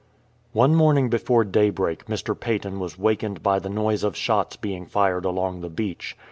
One morning before daybreak Mr. Paton was wakened by the noise of shots being fired along the beach.